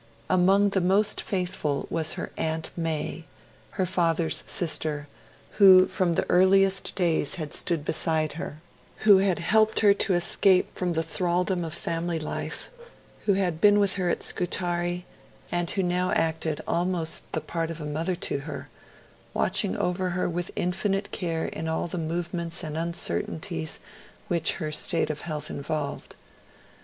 Among the most faithful was her 'Aunt Mai', her father's sister, who from the earliest days had stood beside her, who had helped her to escape from the thraldom of family life, who had been with her at Scutari, and who now acted almost the part of a mother to her, watching over her with infinite care in all the movements and uncertainties which her state of health involved.